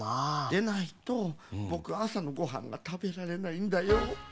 でないとぼくあさのごはんがたべられないんだよ。